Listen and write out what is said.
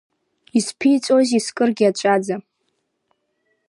Изԥиҵәозеи искыргьы аҵәаӡа?